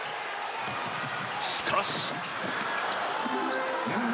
しかし。